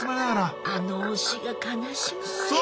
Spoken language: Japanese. あの推しが悲しむわよ。